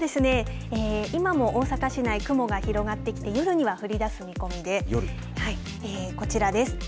今も大阪市内、雲が広がってきて夜には降り出す見込みでこちらです。